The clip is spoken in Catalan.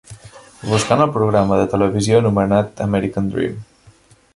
Buscant el programa de televisió anomenat American Dream